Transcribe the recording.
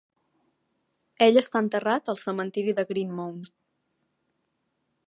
Ell està enterrat al cementiri de Greenmount.